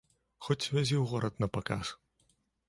Хоць вязі ў горад на паказ!